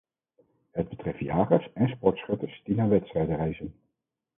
Het betreft jagers en sportschutters die naar wedstrijden reizen.